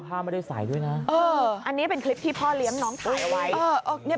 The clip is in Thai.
พามาได้สายด้วยนะอันนี้เป็นคลิปที่พ่อเลี้ยมน้องถ่ายเอาไว้